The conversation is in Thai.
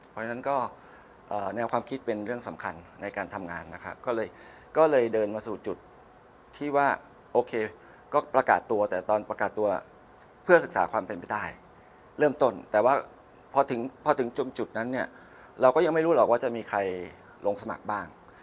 เพราะฉะนั้นก็แนวความคิดเป็นเรื่องสำคัญในการทำงานนะครับก็เลยเดินมาสู่จุดที่ว่าโอเคก็ประกาศตัวแต่ตอนประกาศตัวเพื่อศึกษาความเป็นไปได้เริ่มต้นแต่ว่าพอถึงจุดนั้นเนี่ยเราก็ยังไม่รู้หรอกว่าจะมีใครลงสมัครบ้าง